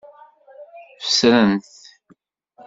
Fesren-t.